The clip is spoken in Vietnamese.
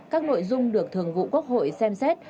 các nội dung được thường vụ quốc hội xem xét